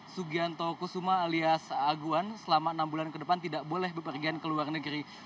sugianto kusuma alias aguan selama enam bulan ke depan tidak boleh berpergian ke luar negeri